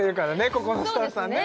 ここのスタッフさんね